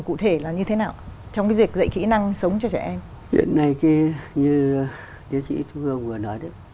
cụ thể là như thế nào trong việc dạy kỹ năng sống cho trẻ em chuyện này kia như giáo dục vừa nói đó